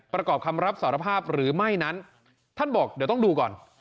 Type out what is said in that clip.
ประกอบคำรับสารภาพหรือไม่นั้นท่านบอกเดี๋ยวต้องดูก่อน